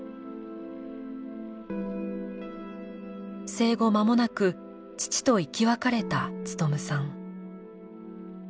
生後まもなく父と生き別れた勉さん。